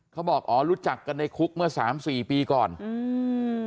เขาบอกอ๋อรู้จักกันในคุกเมื่อสามสี่ปีก่อนอืม